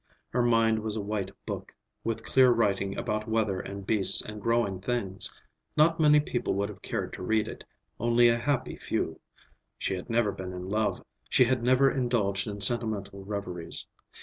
Her mind was a white book, with clear writing about weather and beasts and growing things. Not many people would have cared to read it; only a happy few. She had never been in love, she had never indulged in sentimental reveries.